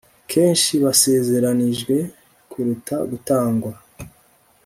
Kenshi basezeranijwe kuruta gutangwa